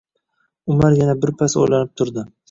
Umar yana birpas o‘ylanib turdi